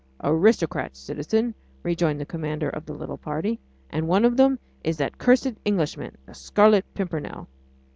"Aristocrats, citizen," rejoined the commander of the little party, "and one of them is that cursed Englishman the Scarlet Pimpernel."